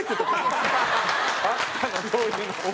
あったなそういうの。